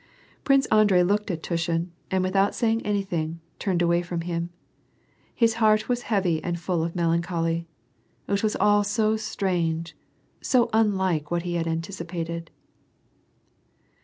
Prince Andrei looked at Tushin, and without saying any thing, turned away from him. His heart was heavy and full of melancholy. It was all so strange, so unlike what he had anticipated.